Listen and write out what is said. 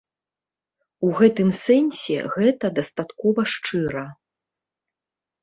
У гэтым сэнсе гэта дастаткова шчыра.